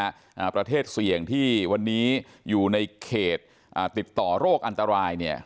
อ่าประเทศเสี่ยงที่วันนี้อยู่ในเขตอ่าติดต่อโรคอันตรายเนี่ย